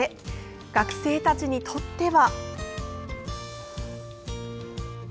学生たちにとっては。